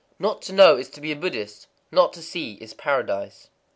_ Not to know is to be a Buddha; not to see is Paradise.